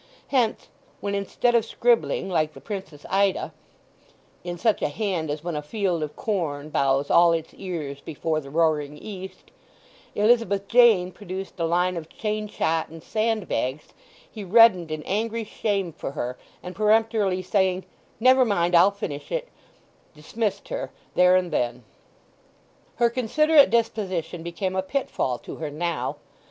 Hence when, instead of scribbling, like the Princess Ida,— "In such a hand as when a field of corn Bows all its ears before the roaring East," Elizabeth Jane produced a line of chain shot and sand bags, he reddened in angry shame for her, and, peremptorily saying, "Never mind—I'll finish it," dismissed her there and then. Her considerate disposition became a pitfall to her now.